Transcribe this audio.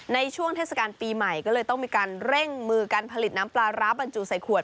ในช่วงเทศกาลปีใหม่ก็เลยต้องมีการเร่งมือการผลิตน้ำปลาร้าบรรจุใส่ขวด